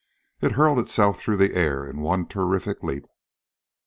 It hurled itself through the air in one terrific leap.